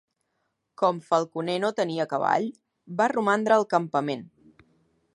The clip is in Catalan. Com Falconer no tenia cavall, va romandre al campament.